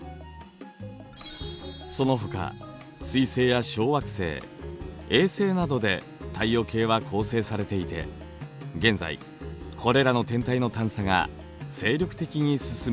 そのほか彗星や小惑星衛星などで太陽系は構成されていて現在これらの天体の探査が精力的に進められています。